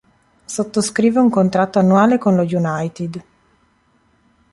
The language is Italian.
Sottoscrive un contratto annuale con lo United.